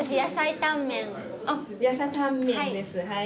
野菜タンメンはい。